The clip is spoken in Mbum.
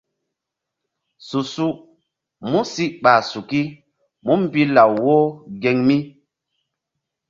Su-su músi ɓa suki múmbi law wo geŋ mi.